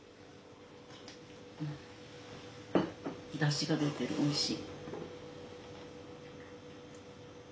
だしが出てるおいしい。